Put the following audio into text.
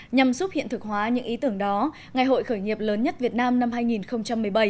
nhằm giúp hiện thực hóa những ý tưởng đó ngày hội khởi nghiệp lớn nhất việt nam năm hai nghìn một mươi bảy